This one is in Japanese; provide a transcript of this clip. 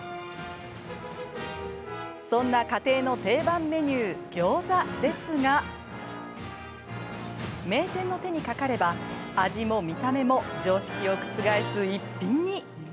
そんな家庭の定番メニューギョーザですが名店の手にかかれば味も見た目も常識を覆す逸品に。